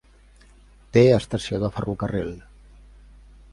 Té estació de ferrocarril.